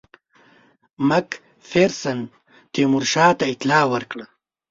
مک فیرسن تیمورشاه ته اطلاع ورکړه.